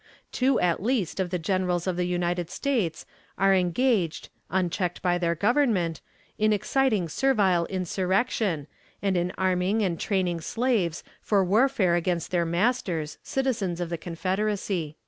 Two at least of the generals of the United States are engaged, unchecked by their Government, in exciting servile insurrection, and in arming and training slaves for warfare against their masters, citizens of the Confederacy."